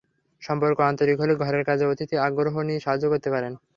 সম্পর্ক আন্তরিক হলে ঘরের কাজে অতিথি আগ্রহ নিয়ে সাহায্য করতে পারেন।